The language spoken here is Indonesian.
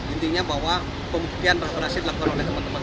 intinya bahwa pengukian rahasia dilakukan oleh teman teman